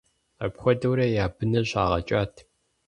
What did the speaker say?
Апхуэдэурэ я быныр щагъэкӀат.